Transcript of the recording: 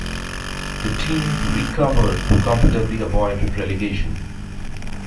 The team recovered to comfortably avoid relegation.